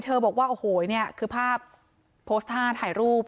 บอกว่าโอ้โหเนี่ยคือภาพโพสต์ท่าถ่ายรูป